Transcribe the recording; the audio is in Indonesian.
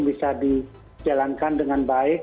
bisa dijalankan dengan baik